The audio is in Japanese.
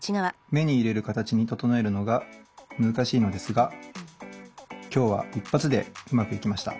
目に入れる形に整えるのが難しいのですが今日は一発でうまくいきました。